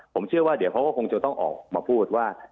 ผมเชื่อว่าเดี๋ยวเขาก็คงจะต้องออกมาพูดว่า